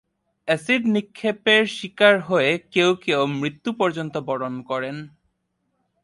Acid নিক্ষেপের শিকার হয়ে কেউ কেউ মৃত্যু পর্যন্ত বরণ করেন।